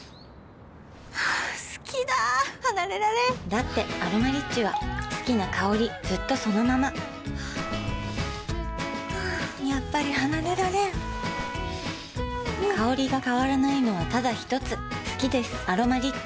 好きだ離れられんだって「アロマリッチ」は好きな香りずっとそのままやっぱり離れられん香りが変わらないのはただひとつ好きです「アロマリッチ」